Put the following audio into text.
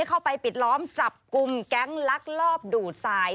เข้าไปปิดล้อมจับกลุ่มแก๊งลักลอบดูดทราย